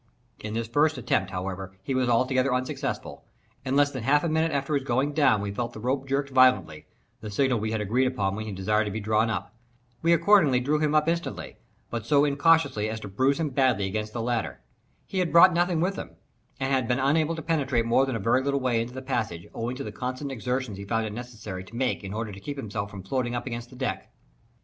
In this first attempt, however, he was altogether unsuccessful. In less than half a minute after his going down we felt the rope jerked violently (the signal we had agreed upon when he desired to be drawn up). We accordingly drew him up instantly, but so incautiously as to bruise him badly against the ladder. He had brought nothing with him, and had been unable to penetrate more than a very little way into the passage, owing to the constant exertions he found it necessary to make in order to keep himself from floating up against the deck.